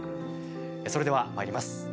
それではまいります。